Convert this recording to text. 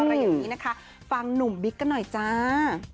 อะไรอย่างนี้นะคะฟังหนุ่มบิ๊กกันหน่อยจ้า